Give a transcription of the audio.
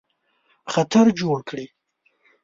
خطر جوړ کړي.